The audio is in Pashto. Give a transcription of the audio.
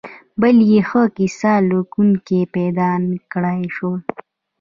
بل یې ښه کیسه لیکونکي پیدا نکړای شول.